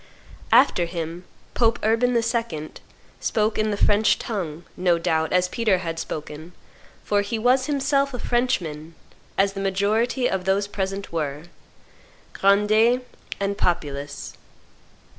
After him Pope Urban II. spoke, in the French tongue, no doubt, as Peter had spoken, for he was himself a Frenchman, as the majority of those present were, grandees and populace.